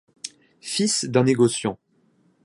Fils d'un négociant.